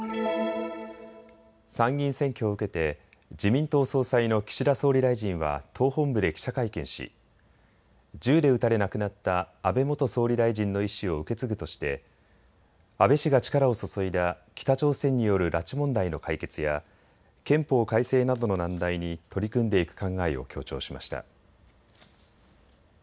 参議院選挙を受けて自民党総裁の岸田総理大臣は党本部で記者会見し、銃で撃たれ亡くなった安倍元総理大臣の遺志を受け継ぐとして安倍氏が力を注いだ北朝鮮による拉致問題の解決や憲法改正などの難題に取り組んでいく考えを強調しました。